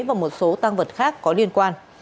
và một số tăng vật khác có liên quan